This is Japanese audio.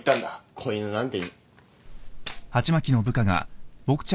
子犬なんて。